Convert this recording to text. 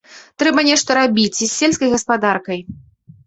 Трэба нешта рабіць і з сельскай гаспадаркай.